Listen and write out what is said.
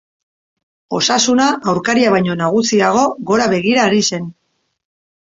Osasuna, aurkaria baino nagusiago, gora begira ari zen.